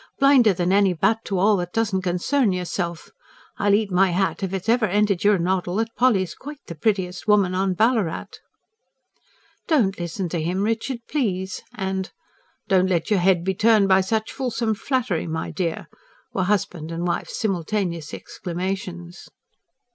Blinder than any bat to all that doesn't concern yourself! I'll eat my hat if it's ever entered your noddle that Polly's quite the prettiest woman on Ballarat." "Don't listen to him, Richard, please!" and: "Don't let your head be turned by such fulsome flattery, my dear!" were wife and husband's simultaneous exclamations.